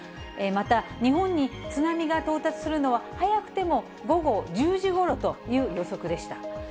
また、日本に津波が到達するのは、早くても午後１０時ごろという予測でした。